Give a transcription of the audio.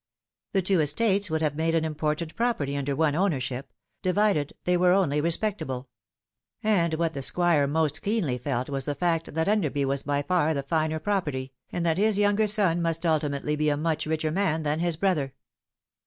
The two estates would have made an important property under one ownership ; divided, they were only respectable. And what the Squire most keenly felt was the fact that Enderby was by far the finer property, and that his younger son must ultimately be a much richer man than his brother.